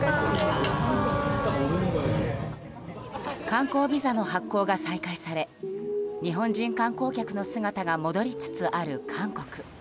観光ビザの発行が再開され日本人観光客の姿が戻りつつある韓国。